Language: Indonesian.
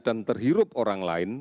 dan beri penyujuan